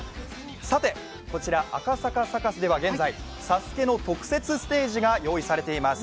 さて、こちら赤坂サカスでは現在、「ＳＡＳＵＫＥ」の特設ステージが用意されています。